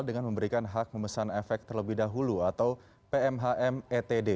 dengan memberikan hak memesan efek terlebih dahulu atau pmhm etd